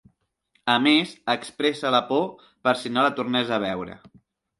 A més, expressa la por per si no la tornés a veure.